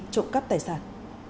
trộm cắp tài sản